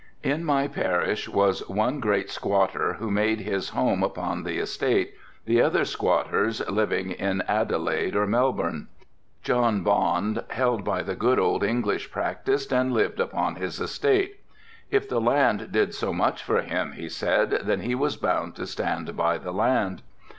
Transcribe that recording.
"In my parish was one great squatter who made his home upon the estate, the other squatters living at Adelaide or Melbourne. John Bond held by the good old English practice and lived upon his estate. 'If the land did so much for him,' he said, 'then he was bound to stand by the land.